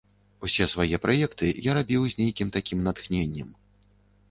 Усе свае праекты я рабіў з нейкім такім натхненнем.